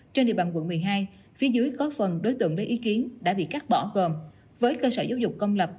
trên địa bàn quận một mươi hai phía dưới có phần đối tượng lấy ý kiến đã bị cắt bỏ gồm với cơ sở giáo dục công lập